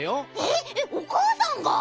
えっおかあさんが？